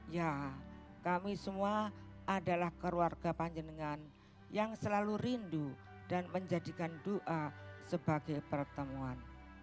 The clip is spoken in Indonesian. ya kami semua adalah keluarga panjenengan yang selalu rindu dan menjadikan doa sebagai pertemuan